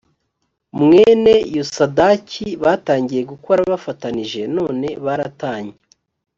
mwene yosadaki batangiye gukora bafatanije none baratanye